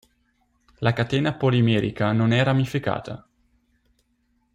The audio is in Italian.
La catena polimerica non è ramificata.